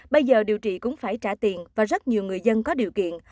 bây giờ điều trị cũng phải trả tiền và rất nhiều người dân có điều kiện